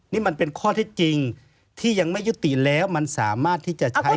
นี่มันเป็นข้อเท็จจริงที่ยังไม่ยุติแล้วมันสามารถที่จะใช้